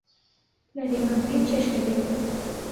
لەرەی مەمکەی چەشنی بەی